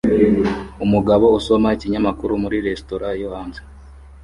Umugabo usoma ikinyamakuru muri resitora yo hanze